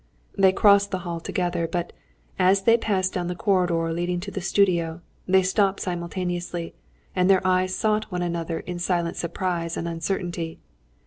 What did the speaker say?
They crossed the hall together; but as they passed down the corridor leading to the studio they stopped simultaneously, and their eyes sought one another in silent surprise and uncertainty.